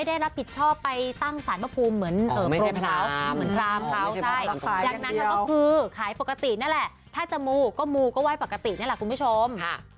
ถ้าจะมูก็มูก็ไหว้ปกตินั่นแหละคุณผู้ชม